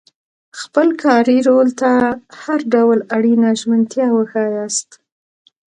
خپل کاري رول ته هر ډول اړینه ژمنتیا وښایاست.